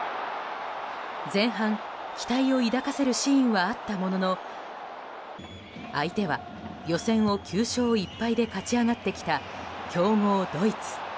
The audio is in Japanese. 前半、期待を抱かせるシーンはあったものの相手は予選を９勝１敗で勝ち上がってきた、強豪ドイツ。